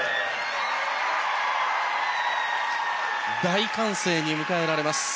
大歓声に迎えられます。